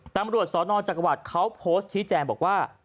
ตำรวจสนจักรวรรดิเขาโพสต์ชี้แจงบอกว่า